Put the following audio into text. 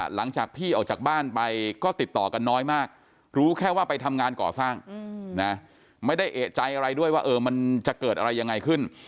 หลังจากพี่ออกจากบ้านไปก็ติดต่อกันน้อยมากรู้แค่ว่าไปทำงานก่อสร้างนะไม่ได้เอกใจอะไรด้วยว่ามันจะเกิดอะไรยังไงขึ้น